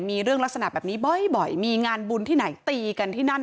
มีเรื่องลักษณะแบบนี้บ่อยมีงานบุญที่ไหนตีกันที่นั่น